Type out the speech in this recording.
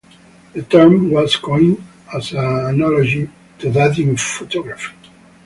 The term was coined as an analogy to that in photography.